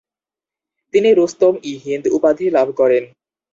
তিনি রুস্তম -ই-হিন্দ উপাধি লাভ করেন।